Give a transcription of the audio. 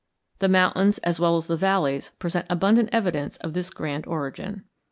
The mountains as well as the valleys present abundant evidence of this grand origin.